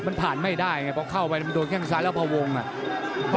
มันผ่านไม่ได้ไงพอเข้าไปแล้วมันโดนแข้งซ้ายแล้วพอวงอ่ะ